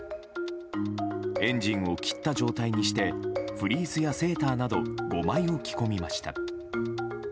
エンジンを切った状態にしてフリースやセーターなど５枚を着込みました。